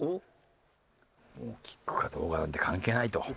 もうキックかどうかなんて関係ないと。